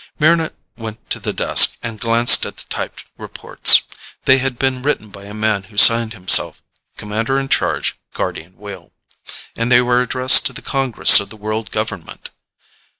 Mryna went to the desk and glanced at the typed reports. They had been written by a man who signed himself "Commander in Charge, Guardian Wheel," and they were addressed to the Congress of the world government.